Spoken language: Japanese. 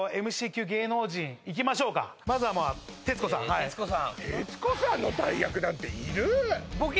ＭＣ級芸能人いきましょうかまずはまあ徹子さん徹子さん徹子さんの代役なんている？